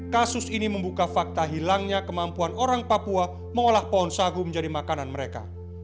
kasus ini membuka fakta hilangnya kemampuan orang papua mengolah pohon sagu menjadi makanan mereka